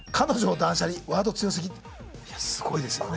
いやすごいですよね。